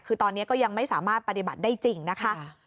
คือตอนนี้ก็ยังไม่สามารถปฏิบัติได้จริงนะคะ